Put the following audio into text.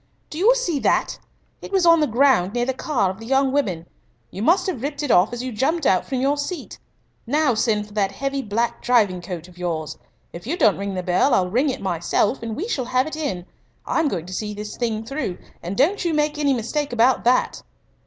"Do you see that? It was on the ground near the car of the young women. You must have ripped it off as you jumped out from your seat. Now send for that heavy black driving coat of yours. If you don't ring the bell I'll ring it myself, and we shall have it in. I'm going to see this thing through, and don't you make any mistake about that."